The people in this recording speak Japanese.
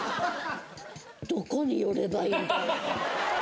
どこに寄ればいいんだろう？